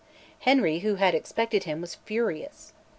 Henry, who had expected him, was furious.